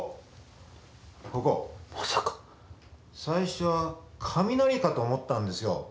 最初は雷かと思ったんですよ